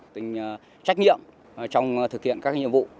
trách nhiệm trong thực hiện các nhiệm vụ